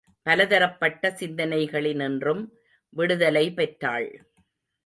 பலதரப்பட்ட சிந்தனைகளினின்றும் விடுதலை பெற்றாள்.